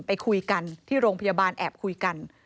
ไปคุยกันที่โรงพยาบาลแอบคุยกัน